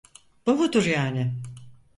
Bu mudur yani?